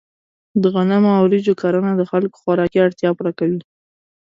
د غنمو او وریجو کرنه د خلکو خوراکي اړتیا پوره کوي.